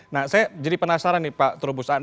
nah saya jadi penasaran nih pak trubus